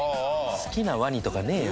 好きなワニとかねえよ。